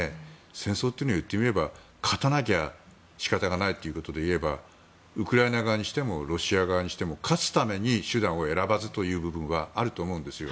戦争って言ってみれば勝たなきゃ仕方がないということで言えばウクライナ側にしてもロシア側にしても勝つために手段を選ばずという部分はあると思うんですよ。